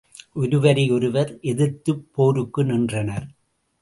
ஒருவரை ஒருவர் எதிர்த்துப் போருக்கு நின்றனர்.